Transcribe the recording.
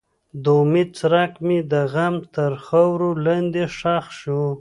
د امید څرک مې د غم تر خاورو لاندې ښخ شو.